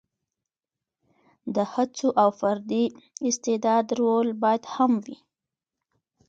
د هڅو او فردي استعداد رول باید مهم وي.